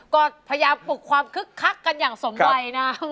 ก็พยายามปลุกความคึกคักกันอย่างสมวัยนะ